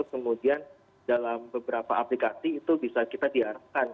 kemudian dalam beberapa aplikasi itu bisa kita diarahkan